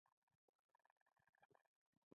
• کنفوسیوس لومړنی کس و، چې دا هېر اصل یې راژوندی کړ.